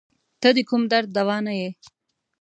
ته د کوم درد دوا نه یی